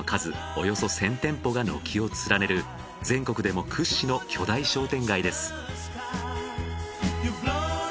およそ１０００店舗が軒を連ねる全国でも屈指の巨大商店街です。